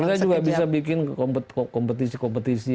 kita juga bisa bikin kompetisi kompetisi